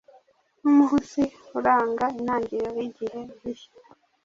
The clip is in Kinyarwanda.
nk’umunsi uranga intangiriro y’igihe gishya